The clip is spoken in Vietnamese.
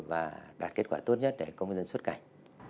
và đạt kết quả tốt nhất để công dân xuất cảnh